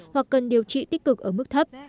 hoặc cần điều trị tích cực ở mức thấp